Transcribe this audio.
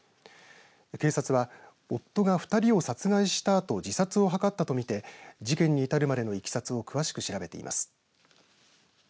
警察は夫が２人を殺害したあと自殺を図ったと見て事件に至るまでのいきさつを詳しく調べています。